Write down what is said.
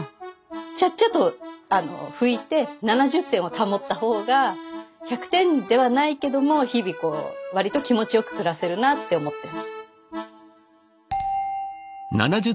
ちゃっちゃっと拭いて７０点を保った方が１００点ではないけども日々こう割と気持ちよく暮らせるなって思ってる。